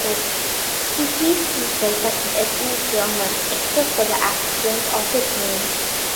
He sees himself as an ethnic German except for the accident of his name.